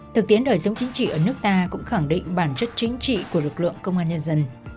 thực tiễn đời sống chính trị ở nước ta cũng khẳng định bản chất chính trị của lực lượng công an nhân dân